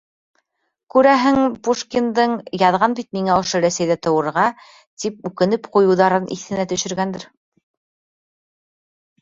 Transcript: Күрәһең, Пушкиндың, яҙған бит миңә ошо Рәсәйҙә тыуырға, тип үкенеп ҡуйыуҙарын иҫенә төшөргәндер.